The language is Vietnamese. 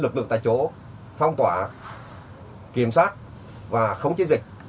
lực lượng tại chỗ phong tỏa kiểm soát và khống chế dịch